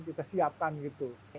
kita siapkan gitu